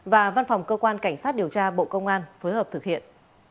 và văn phòng cơ quan cảnh sát điều tra bộ công an phối hợp thực hiện